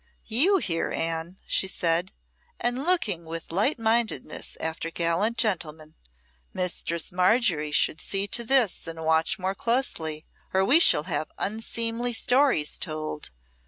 "You here, Anne," she said, "and looking with light mindedness after gallant gentlemen! Mistress Margery should see to this and watch more closely, or we shall have unseemly stories told.